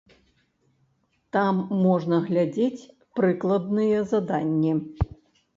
Там можна глядзець прыкладныя заданні.